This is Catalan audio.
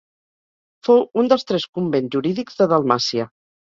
Fou un dels tres convents jurídics de Dalmàcia.